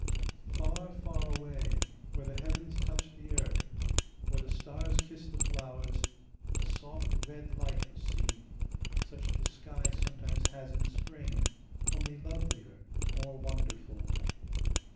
Far, far away, where the heavens touch the earth, where the stars kiss the flowers, a soft red light was seen, such as the sky sometimes has in spring, only lovelier, more wonderful.